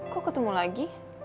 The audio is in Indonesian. kok ketemu lagi